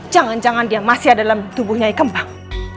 jangan jangan dia masih ada dalam tubuhnya ikembang